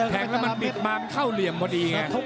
งแล้วมันบิดมามันเข้าเหลี่ยมพอดีไง